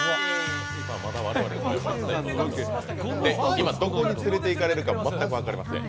今、どこに連れていかれるか全く分かりません。